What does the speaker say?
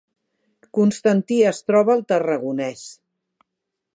Constantí es troba al Tarragonès